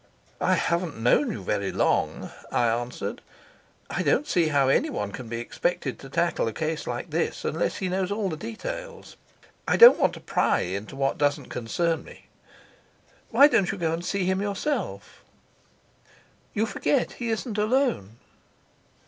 "I haven't known you very long," I answered. "I don't see how anyone can be expected to tackle a case like this unless he knows all the details. I don't want to pry into what doesn't concern me. Why don't you go and see him yourself?" "You forget he isn't alone."